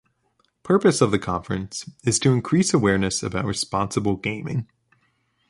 Purpose of the conference is to increase awareness about responsible gaming.